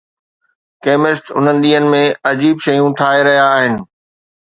chemist انهن ڏينهن ۾ عجيب شيون ٺاهي رهيا آهن